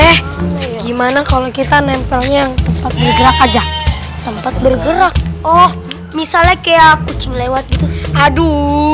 eh gimana kalau kita nempelnya tempat bergerak aja tempat bergerak oh misalnya kayak kucing lewat gitu